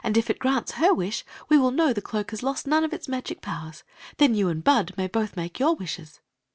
if it grants her wish, we will know the doak has lost none of its magic powers. Then you and Bud may both make your wishes."